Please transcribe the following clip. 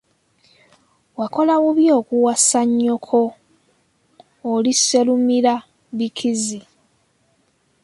Wakola bubi okuwasa nnyoko, oli Sserumira-bikizi.